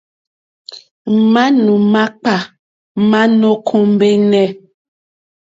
Manù makpà ma nò kombεnε.